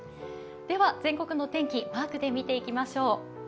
では、全国の天気、マークで見ていきましょう。